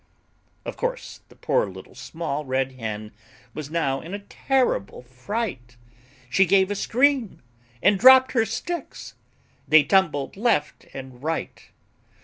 Of course the poor Little Small Red Hen Was now in a terrible fright. She gave a scream and dropped her sticks, They tumbled left and right.